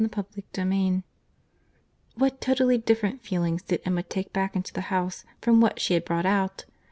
CHAPTER XIV What totally different feelings did Emma take back into the house from what she had brought out!